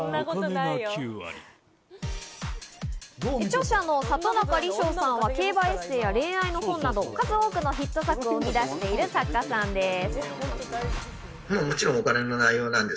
著者の里中李生さんは競馬エッセーや恋愛の本など数多くのヒット作を生み出している作家さんです。